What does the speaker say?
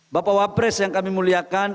bapak wapres yang kami muliakan